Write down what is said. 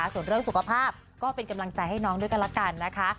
ส่วนเรื่องสุขภาพก็เป็นกำลังใจให้น้องด้วยกันละกันนะคะ